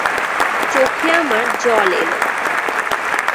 চোখে আমার জল এল।